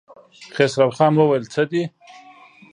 خسرو خان وويل: څه دي؟